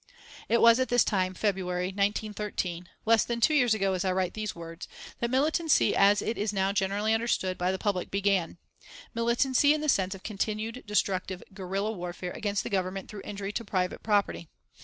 It was at this time, February, 1913, less than two years ago as I write these words, that militancy, as it is now generally understood by the public began militancy in the sense of continued, destructive, guerilla warfare against the Government through injury to private property.